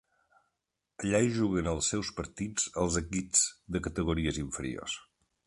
Allà hi juguen els seus partits els equips de categories inferiors.